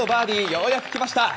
ようやく来ました！